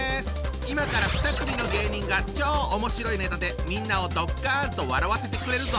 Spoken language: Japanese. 今から２組の芸人が超おもしろいネタでみんなをドッカンと笑わせてくれるぞ！